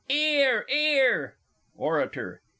'Ear 'ear! ORATOR.